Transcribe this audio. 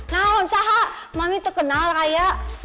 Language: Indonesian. nah saharaya mami terkenal raya